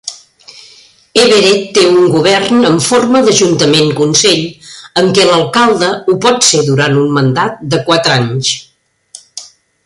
Everett té un govern amb forma d'ajuntament-consell, en què l'alcalde ho pot ser durant un mandat de quatre anys.